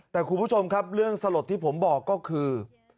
แต่คุณผู้ชมครับเรื่องสลดที่ผมบอกก็คือ